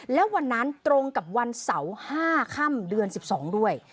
แล้ววันนั้นตรงกับวันเสาร์๕ค่ำเดือน๑๒ด้วย